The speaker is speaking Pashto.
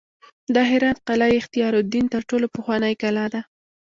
د هرات قلعه اختیارالدین تر ټولو پخوانۍ کلا ده